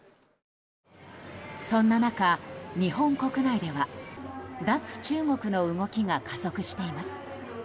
そんな中、日本国内では脱中国の動きが加速しています。